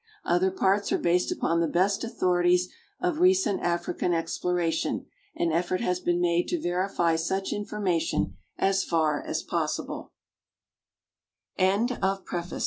Other parts are based upon the best authorities of recent African exploration, and effort has been made to verify such information as far as po